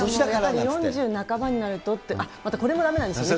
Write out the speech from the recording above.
４０半ばになるとって、これもだめなんですよね。